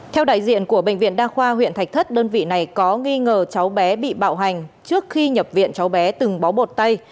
theo đại diện của bệnh viện đa khoa huyện thạch thất đơn vị này có nghi ngờ cháu bé bị bạo hành trước khi nhập viện cháu bé từng bó bột tay